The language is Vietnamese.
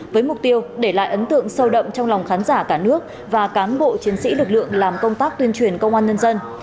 với mục tiêu để lại ấn tượng sâu đậm trong lòng khán giả cả nước và cán bộ chiến sĩ lực lượng làm công tác tuyên truyền công an nhân dân